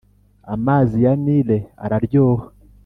amazi ya nile araryoha